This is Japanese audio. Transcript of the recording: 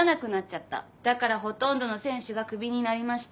だからほとんどの選手が首になりました。